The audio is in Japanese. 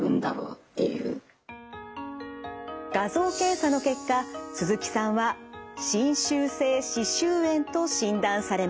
画像検査の結果鈴木さんは侵襲性歯周炎と診断されました。